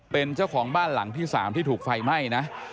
เป็นเจ้าของบ้านหลังที่๓ที่ถูกไฟไหม้นะ